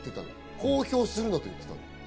公表するなと言ったの？